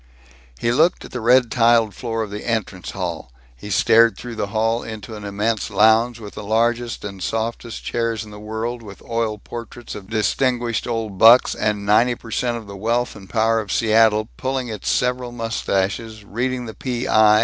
He looked at the red tiled floor of the entrance hall; he stared through the hall into an immense lounge with the largest and softest chairs in the world, with oil portraits of distinguished old bucks, and ninety per cent. of the wealth and power of Seattle pulling its several mustaches, reading the P.I.